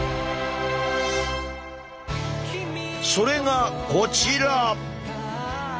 それがこちら。